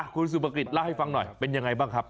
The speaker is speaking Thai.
คุณสุภกิจเล่าให้ฟังหน่อยเป็นยังไงบ้างครับ